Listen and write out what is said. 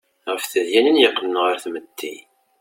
Ɣef tedyanin yeqqnen ɣer tmetti.